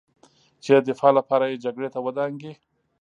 چې د دفاع لپاره یې جګړې ته ودانګي